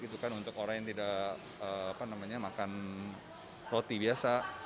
untuk orang yang tidak makan roti biasa